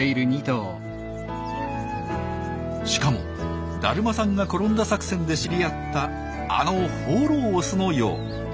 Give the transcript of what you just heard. しかも「だるまさんが転んだ作戦」で知り合ったあの放浪オスのよう。